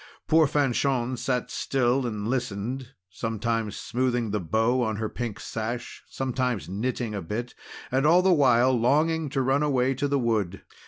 Poor Fanchon sat still and listened, sometimes smoothing the bow on her pink sash, and sometimes knitting a bit, and all the while longing to run away to the wood.